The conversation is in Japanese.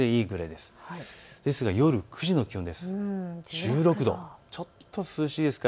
ですが夜９時の気温です。